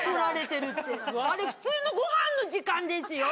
あれ普通のごはんの時間ですよ。